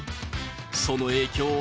その影響は。